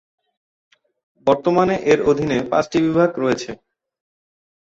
বর্তমানে এর অধীনে পাঁচটি বিভাগ রয়েছে।